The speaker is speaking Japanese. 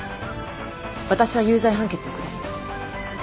私は有罪判決を下した。